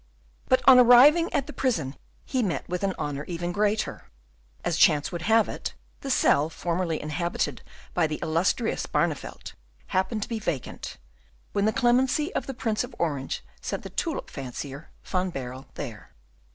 But on arriving at the prison he met with an honour even greater. As chance would have it, the cell formerly inhabited by the illustrious Barneveldt happened to be vacant, when the clemency of the Prince of Orange sent the tulip fancier Van Baerle there.